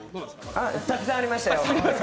たくさんありましたよ。